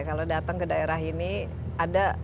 kalau datang ke daerah ini ada